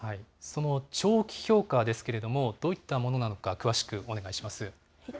その長期評価ですけれども、どういったものなのか、詳しくお願いします。